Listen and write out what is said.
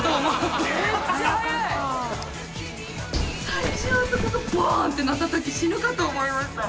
最初あそこがバン！ってなったとき死ぬかと思いました。